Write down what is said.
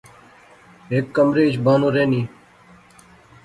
ہک کمرے اچ بانو رہنی